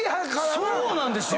そうなんですよ！